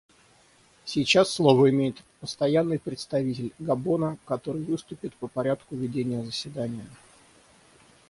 Сейчас слово имеет Постоянный представитель Габона, который выступит по порядку ведения заседания.